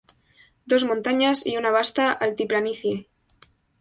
Dos montañas y una vasta altiplanicie.